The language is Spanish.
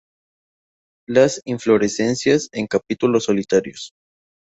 Las inflorescencias en capítulos solitarios.